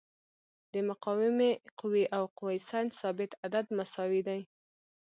د مقاومې قوې او قوه سنج ثابت عدد مساوي دي.